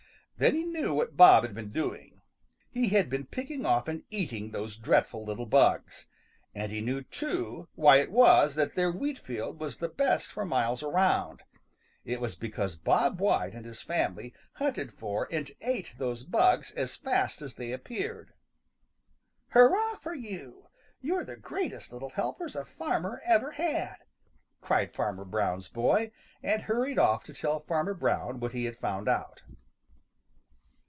Then he knew what Bob had been doing. He had been picking off and eating those dreadful little bugs. And he knew, too, why it was that their wheat field was the best for miles around. It was because Bob White and his family hunted for and ate those bugs as fast as they appeared. "Hurrah for you! You're the greatest little helpers a farmer ever had!" cried Farmer Brown's boy, and hurried off to tell Farmer Brown what he had found out.